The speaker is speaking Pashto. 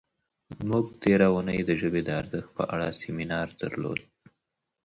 موږ تېره اونۍ د ژبې د ارزښت په اړه سیمینار درلود.